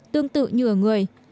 tương tự như ở người